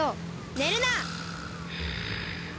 ねるな！